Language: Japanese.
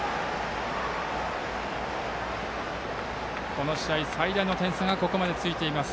この試合最大の点差がここまで、ついています。